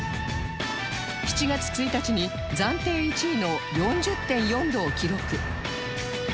７月１日に暫定１位の ４０．４ 度を記録